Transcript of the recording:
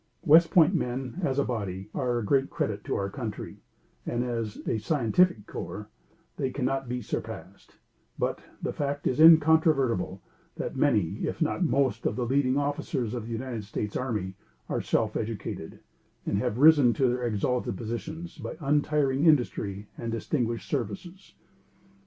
West Point men, as a body, are a great credit to our country; and, as a scientific corps, they cannot be surpassed; but, the fact is incontrovertible, that many, if not most of the leading officers of the United States army, are self educated, and have risen to their exalted positions by untiring industry and distinguished services.